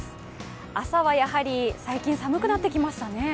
朝はやはり最近寒くなってきましたね。